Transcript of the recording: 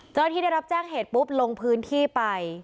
เจ้าหน้าที่ได้รับแจ้งเหตุปุ๊บลงพื้นที่ไป